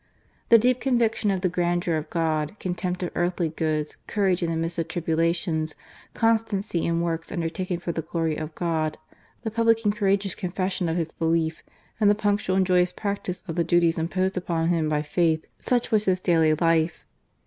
The deep conviction of the grandeur of God ; contempt of earthly goods ; courage in the midst of tribulations; constancy in works undertaken for the glory of God ; the public and courageous confession of his belief; and the punctual and joyous practice of the duties imposed upon him by faith — such was his daily life.